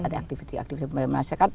ada aktivitas aktivitas masyarakat